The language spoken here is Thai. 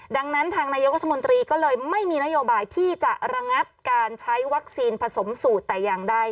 ดังนั้นทางนายกรัฐมนตรีก็เลยไม่มีนโยบายที่จะระงับการใช้วัคซีนผสมสูตรแต่อย่างใด